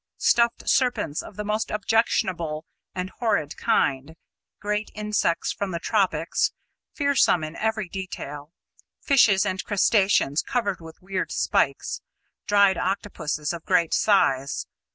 Stuffed serpents of the most objectionable and horrid kind; giant insects from the tropics, fearsome in every detail; fishes and crustaceans covered with weird spikes; dried octopuses of great size.